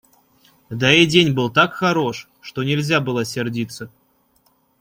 Да и день был так хорош, что нельзя было сердиться.